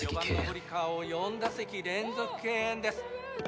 ４番の堀川を４打席連続敬遠です